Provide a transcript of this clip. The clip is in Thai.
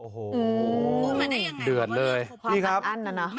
พูดมาได้ยังไงครับเบิร์ด